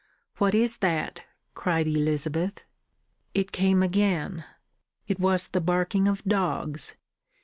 "What is that?" cried Elizabeth. It came again. It was the barking of dogs.